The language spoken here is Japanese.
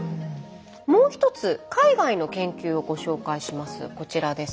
もう１つ海外の研究をご紹介します。